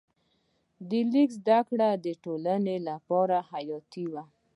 د لیک زده کړه د ټولنې لپاره حیاتي وه.